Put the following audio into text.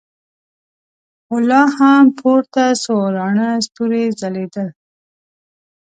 خو لا هم پورته څو راڼه ستورې ځلېدل.